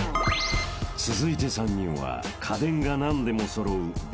［続いて３人は家電が何でも揃う］